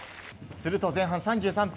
すると、前半３３分。